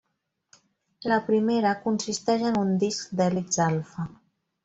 La primera consisteix en un disc d'hèlix alfa.